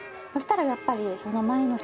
そしたらやっぱり。